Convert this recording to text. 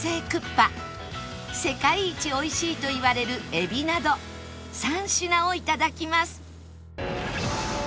世界一美味しいといわれるエビなど３品を頂きます